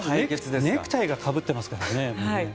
もうネクタイがかぶってますからね。